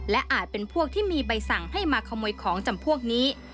และอาจเป็นพวกที่มีใบสั่งให้มาขโมยของจำพวกนี้